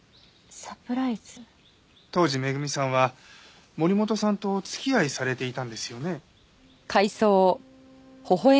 当時恵さんは森本さんとお付き合いされていたんですよね？